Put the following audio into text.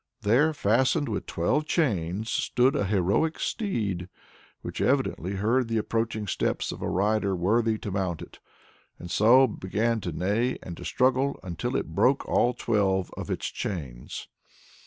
There, fastened with twelve chains, stood a heroic steed which evidently heard the approaching steps of a rider worthy to mount it, and so began to neigh and to struggle, until it broke all twelve of its chains.